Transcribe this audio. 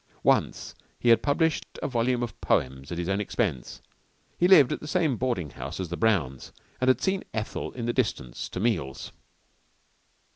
Once he had published a volume of poems at his own expense. He lived at the same boarding house as the Browns, and had seen Ethel in the distance to meals.